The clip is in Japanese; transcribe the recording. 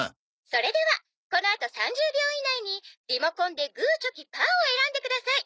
「それではこのあと３０秒以内にリモコンでグーチョキパーを選んでください」